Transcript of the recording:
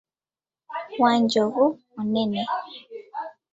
Wanjovu munene.